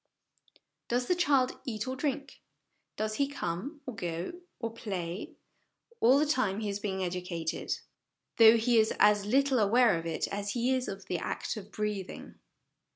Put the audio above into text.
Does the child eat or drink, does he come, or go, or play all the time he is being educated, though he is as little aware of it as he is of the act of breathing.